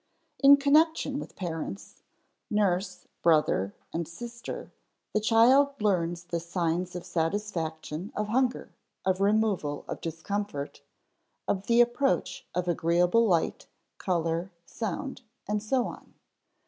In connection with parents, nurse, brother, and sister, the child learns the signs of satisfaction of hunger, of removal of discomfort, of the approach of agreeable light, color, sound, and so on.